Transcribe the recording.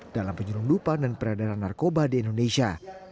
dalam penyelundupan dan peredaran narkoba di indonesia